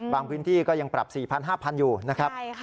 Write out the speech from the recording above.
พื้นที่ก็ยังปรับ๔๐๐๕๐๐อยู่นะครับ